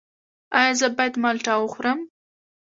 ایا زه باید مالټه وخورم؟